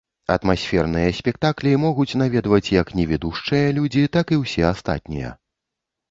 Атмасферныя спектаклі могуць наведваць як невідушчыя людзі, так і ўсе астатнія.